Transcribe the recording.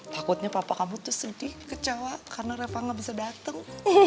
takutnya papa kamu tuh sedih kecewa karena repa nggak bisa datang